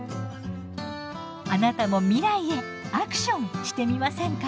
あなたも未来へ「アクション」してみませんか？